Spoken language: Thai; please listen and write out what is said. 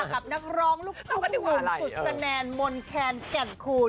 กับนักร้องลูกคุกหมุนสุดแนนมนแคน๗คูณ